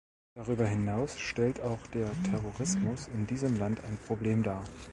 Darüber hinaus stellt auch der Terrorismus in diesem Land ein Problem dar.